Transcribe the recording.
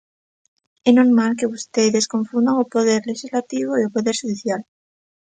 ¡É normal que vostedes confundan o poder lexislativo e o poder xudicial!